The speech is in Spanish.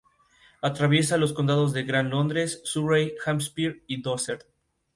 En Comodoro posee un equipo de futsal con homónimo nombre.